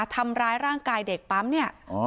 ทำร้ายร่างกายเด็กปั๊มเนี่ย